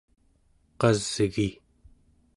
qasgi